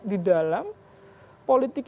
di dalam politik